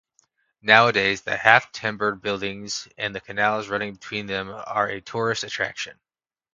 Nowadays the half-timbered buildings and the canals running between them are a tourist attraction.